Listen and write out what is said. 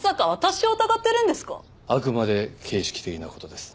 あくまで形式的な事です。